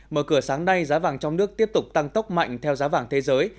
mở cửa sáng nay giá vàng trong nước tiếp tục tăng tốc mạnh theo giá vàng thế giới